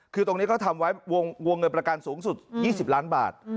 คือตรงนี้เขาทำไว้วงเงินประกันสูงสุด๒๐ล้านบาท